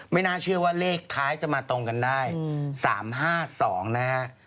น่าเชื่อว่าเลขท้ายจะมาตรงกันได้๓๕๒นะฮะ